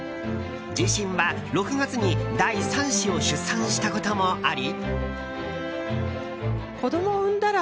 自身は、６月に第３子を出産したこともあり。